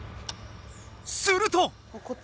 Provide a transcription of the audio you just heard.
すると。